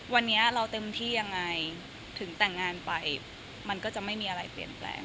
วันนี้เราเต็มที่ยังไงถึงแต่งงานไปมันก็จะไม่มีอะไรเปลี่ยนแปลง